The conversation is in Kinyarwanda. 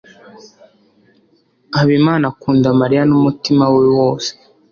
habimana akunda mariya n'umutima we wose